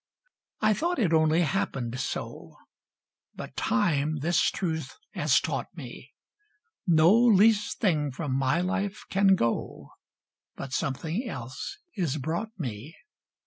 I thought it only happened so; But Time this truth has taught me No least thing from my life can go, But something else is brought me.